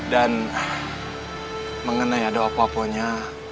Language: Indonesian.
dan mengenai ada apa apanya